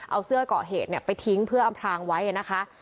เอาเสื้อก่อเหตุเนี่ยไปทิ้งเพื่ออำทางไว้นะคะ